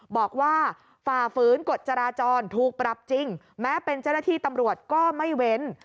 ฝ่าฝืนกฎจราจรถูกปรับจริงแม้เป็นเจ้าหน้าที่ตำรวจก็ไม่เว้น